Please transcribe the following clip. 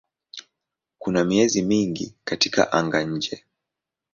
Kuna miezi mingi katika anga-nje.